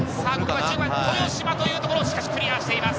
１５番の豊嶋というところ、クリアしています。